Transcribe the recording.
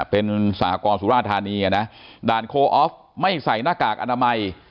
เป็นสหกรณ์สุราธารณีเนี่ยนะด่านโคลอฟท์ไม่ใส่หน้ากากอนามัย